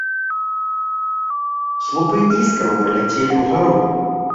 Слупы іскраў паляцелі ўгару.